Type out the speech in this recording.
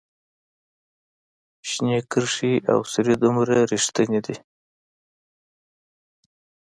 شنه کرښې او سورې دومره ریښتیني دي